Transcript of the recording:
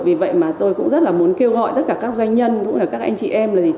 vì vậy mà tôi cũng rất là muốn kêu gọi tất cả các doanh nhân cũng là các anh chị em là gì